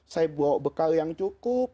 saya bawa bekal yang cukup